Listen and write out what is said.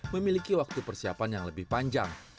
memiliki waktu persiapan yang lebih panjang